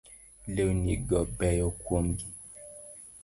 Lewni go beyo kuomi